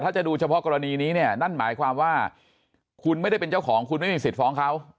ถ้าจะดูเฉพาะกรณีนี้เนี่ยนั่นหมายความว่าคุณไม่ได้เป็นเจ้าของคุณไม่มีสิทธิ์ฟ้องเขา